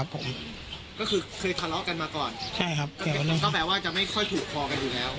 ผมก็คือเคยทะเลาะกันมาก่อนใช่ครับก็แปลว่าจะไม่ค่อยผูกคอกันอยู่แล้ว